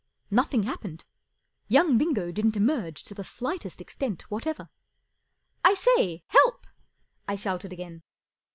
Nothing happened. Young Bingo didn't emerge to the slightest extent whatever. 44 I say ! Help !" I shouted again.